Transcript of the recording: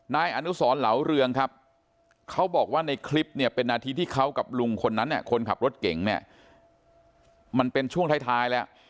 นายอนุสรเหลาเรืองครับเขาบอกว่าในคลิปเนี่ยเป็นนาทีที่เขากับลุงคนนั้นเนี่ยคนขับรถเก่งเนี่ยมันเป็นช่วงท้ายแล้ว